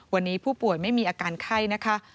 วันนี้ผู้ป่วยไม่มีอาการไข้นะคะ